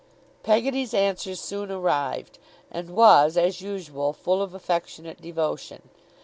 Peggotty's answer soon arrived, and was, as usual, full of affectionate devotion.